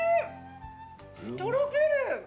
とろける！